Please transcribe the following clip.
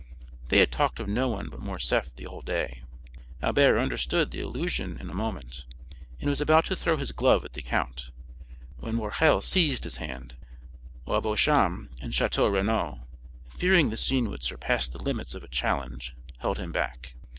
They had talked of no one but Morcerf the whole day. Albert understood the allusion in a moment, and was about to throw his glove at the count, when Morrel seized his hand, while Beauchamp and Château Renaud, fearing the scene would surpass the limits of a challenge, held him back.